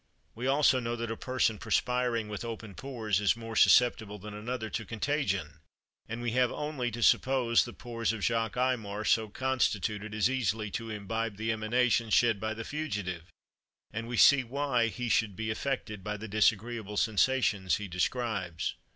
We also know that a person perspiring with open pores is more susceptible than another to contagion; and we have only to suppose the pores of Jacques Aymar so constituted as easily to imbibe the emanations shed by the fugitive, and we see why he should be affected by the disagreeable sensations he describes.